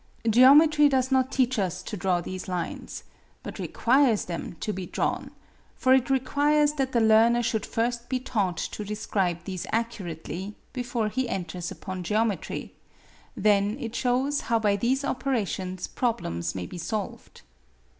Geometry does not teach us to draw these lines, but requires them to be drawn; for it requires that the learner should first be taught to describe these accurately, before he enters upon geometry; then it shows how by these operations problems may be solved.